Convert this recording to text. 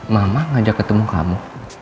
mama ngajak ketemu kamu